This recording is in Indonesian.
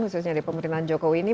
khususnya di pemerintahan jokowi ini